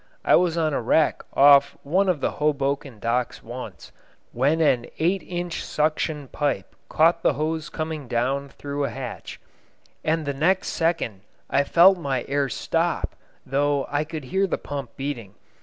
I was on a wreck off one of the Hoboken docks once, when an eight inch suction pipe caught the hose coming down through a hatch, and the next second I felt my air stop, though I could hear the pump beating.